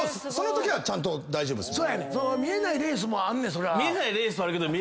そのときはちゃんと大丈夫です。